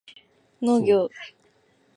農業